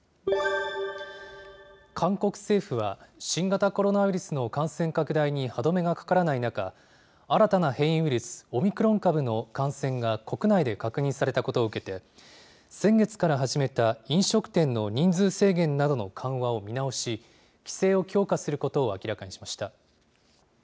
韓国政府は、新型コロナウイルスの感染拡大に歯止めがかからない中、新たな変異ウイルス、オミクロン株の感染が国内で確認されたことを受けて、先月から始めた飲食店の人数制限などの緩和を見直し、規制を強化することを明らかにしました。